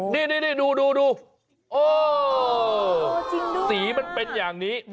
นี่ดูโอ้สีมันเป็นอย่างนี้